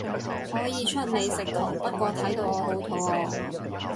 可以出美食圖，不過睇到我好肚餓